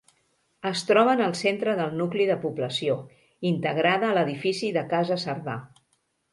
Es troba en el centre del nucli de població, integrada a l'edifici de Casa Cerdà.